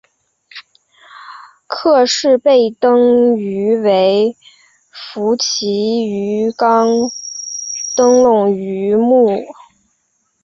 克氏背灯鱼为辐鳍鱼纲灯笼鱼目灯笼鱼科的其中一种。